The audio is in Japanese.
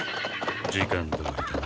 時間どおりだな。